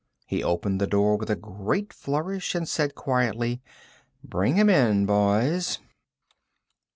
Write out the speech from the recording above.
He opened the door with a great flourish and said quietly: "Bring him in, boys."